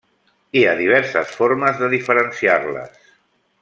Hi ha diverses formes de diferenciar-les.